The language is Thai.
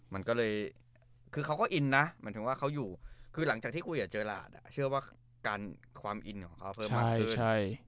มันก็เลยคือเขาก็อินนะหมายถึงว่าเขาอยู่คือหลังจากที่คุยกับเจอหลาดเชื่อว่าการความอินของเขาเพิ่มมากขึ้น